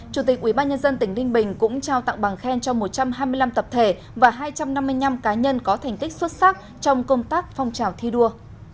chủ tịch ubnd tỉnh ninh bình cũng trao tặng bằng khen cho một trăm hai mươi năm tập thể và hai trăm năm mươi năm cá nhân có thành tích xuất sắc trong công tác phong trào thi đua